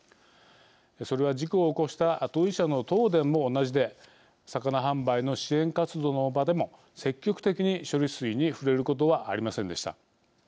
それは事故を起こした当事者の東電も同じで魚販売の支援活動の場でも積極的に処理水に触れることはありませんでした。